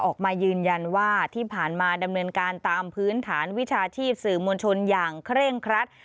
ออกมายืนยันว่าที่ผ่านมาดำเนินการตามพื้นฐานวิชาชีพสื่อมวลชนอย่างเคร่งครัด